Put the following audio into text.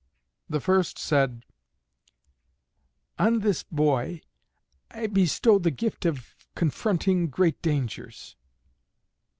The first said, "On this boy I bestow the gift of confronting great dangers."